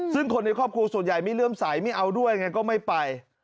ซึ่งคนในครอบครัวส่วนใหญ่ไม่เลื่อมใสไม่เอาด้วยไงก็ไม่ไป